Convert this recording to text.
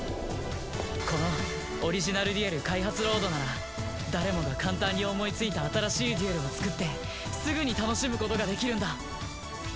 このオリジナルデュエル開発ロードなら誰もが簡単に思いついた新しいデュエルを作ってすぐに楽しむことができるんだ。